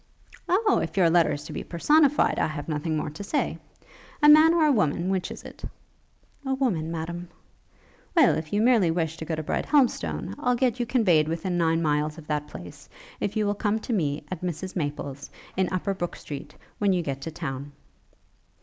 'O! if your letter is to be personified, I have nothing more to say. A man, or a woman? which is it?' 'A woman, Madam.' 'Well, if you merely wish to go to Brighthelmstone, I'll get you conveyed within nine miles of that place, if you will come to me, at Mrs Maple's, in Upper Brooke street, when you get to town.'